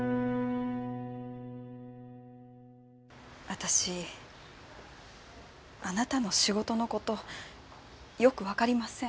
私あなたの仕事の事よくわかりません。